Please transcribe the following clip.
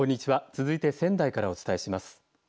続いて仙台からお伝えします。